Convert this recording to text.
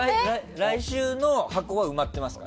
来週の箱は埋まってますか？